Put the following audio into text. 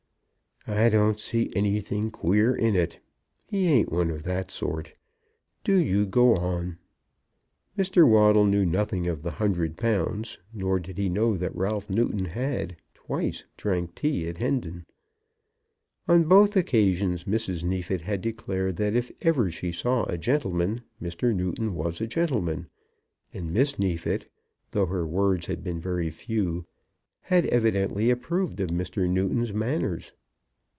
"I don't see anything queer in it. He ain't one of that sort. Do you go on." Mr. Waddle knew nothing of the hundred pounds, nor did he know that Ralph Newton had, twice drank tea at Hendon. On both occasions Mrs. Neefit had declared that if ever she saw a gentleman, Mr. Newton was a gentleman; and Miss Neefit, though her words had been very few, had evidently approved of Mr. Newton's manners.